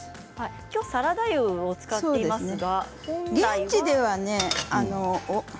今日はサラダ油を使っていますが。